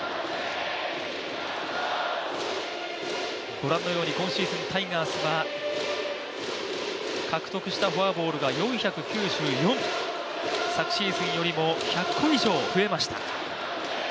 ご覧のように今シーズン、タイガースは獲得したフォアボールが４９４と、昨シーズンよりも１００個以上増えました。